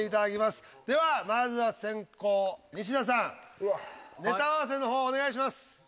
ではまずは先攻・西田さんネタ合わせの方お願いします。